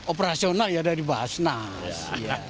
operasional ya dari basnas